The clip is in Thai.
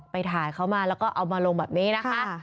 ไปถ่ายเขามาแล้วก็เอามาลงแบบนี้นะคะ